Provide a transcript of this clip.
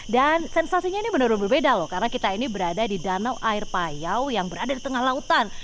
dan sensasinya ini benar benar berbeda loh karena kita ini berada di danau air payau yang berada di tengah lautan